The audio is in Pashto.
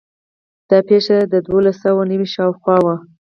دا پېښه د دولس سوه نوي شاوخوا وه.